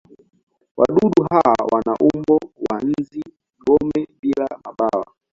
Wadudu hawa wana umbo wa nzi-gome bila mabawa.